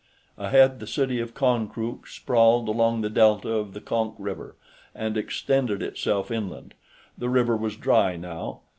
Ahead, the city of Konkrook sprawled along the delta of the Konk river and extended itself inland. The river was dry, now.